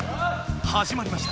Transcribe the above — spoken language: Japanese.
はじまりました。